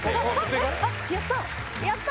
やった。